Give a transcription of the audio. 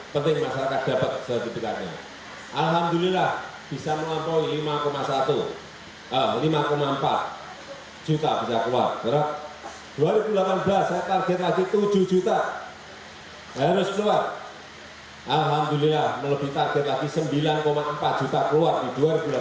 pemerintah akan membagikan lima satu juta sertifikat tanah bagi warga jakarta